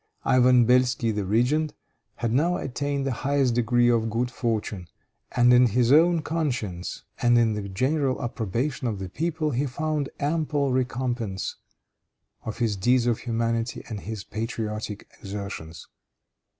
Ivan Belsky, the regent, had now attained the highest degree of good fortune, and in his own conscience, and in the general approbation of the people, he found ample recompense for his deeds of humanity, and his patriotic exertions.